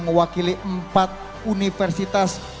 sebuah penuntut yang sangat luar biasa